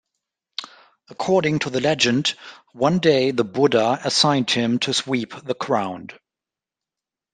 According to legend, one day the Buddha assigned him to sweep the ground.